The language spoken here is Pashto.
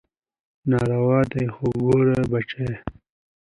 ناروا دي خو ګوره بچى.